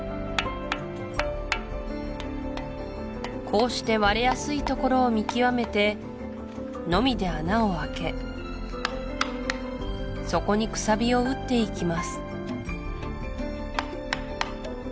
こうして割れやすい所を見極めてのみで穴を開けそこにくさびを打っていきます